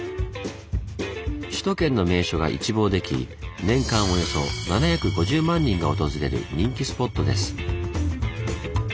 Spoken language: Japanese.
首都圏の名所が一望でき年間およそ７５０万人が訪れる人気スポットです。